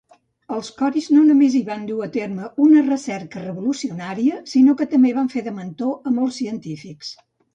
Els Coris no només hi van dur a terme una recerca revolucionària, sinó que també van fer de mentor a molts científics.